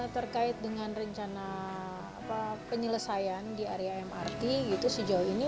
terkait dengan rencana penyelesaian di area mrt gitu sejauh ini